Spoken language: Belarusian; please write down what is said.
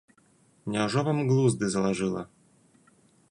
Няўжо вам глузды залажыла.